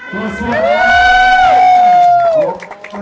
คุณผู้แรกค่ะคุณต้นหอม